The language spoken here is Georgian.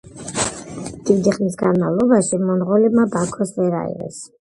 დიდი ხნის განმავლობაში მონღოლებმა ბაქოს ვერ აიღეს.